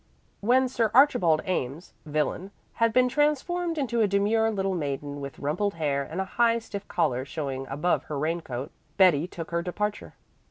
When Sir Archibald Ames, villain, had been transformed into a demure little maiden with rumpled hair and a high, stiff collar showing above her rain coat, Betty took her departure.